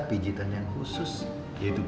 pijitan yang khusus yaitu